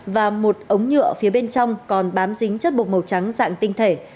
và một ống nhựa phía bên trong còn bám dính chất bột màu trắng dạng tinh thể